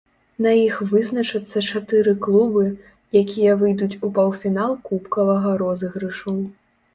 На іх вызначацца чатыры клубы, якія выйдуць у паўфінал кубкавага розыгрышу.